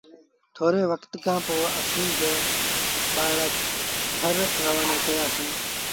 ٿوري وکت کآݩ پو اسآݩ با ٻآرڙآ ٿر روآنآ ڪيآسيٚݩ۔